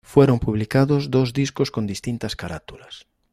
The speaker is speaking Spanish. Fueron publicados dos discos con distintas carátulas.